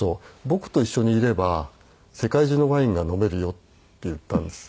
「僕と一緒にいれば世界中のワインが飲めるよ」って言ったんです。